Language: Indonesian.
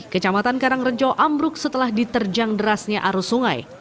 kecamatan karangrejo ambruk setelah diterjang derasnya arus sungai